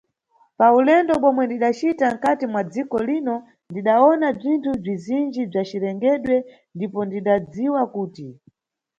Pa ulendo bomwe ndidacita mkhati mwa dziko lino ndidawona bzinthu bzizinji bza cirengedwe ndipo ndidadziwa kuti.